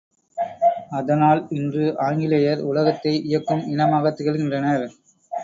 அதனால், இன்று ஆங்கிலேயர் உலகத்தை இயக்கும் இனமாகத் திகழ்கின்றனர்!